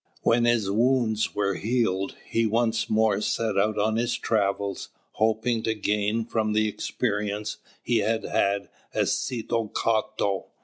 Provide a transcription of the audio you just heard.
When his wounds were healed, he once more set out on his travels, hoping to gain from the experiences he had had as Set cāto.